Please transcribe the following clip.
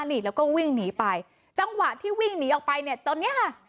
นี่แล้วก็วิ่งหนีไปจังหวะที่วิ่งหนีออกไปเนี่ยตอนเนี้ยค่ะ